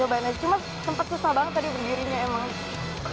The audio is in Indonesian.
cuma sempat susah banget tadi berdirinya emang